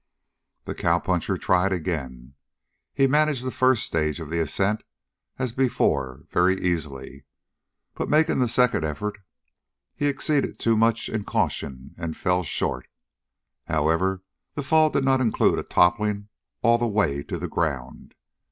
The cowpuncher tried again. He managed the first stage of the ascent, as before, very easily, but, making the second effort he exceeded too much in caution and fell short. However, the fall did not include a toppling all the way to the ground.